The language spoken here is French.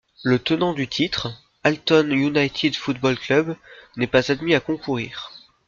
Le tenant du titre, Alton United Football Club, n'est pas admis à concourir.